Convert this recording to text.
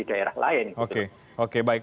agak lebih baik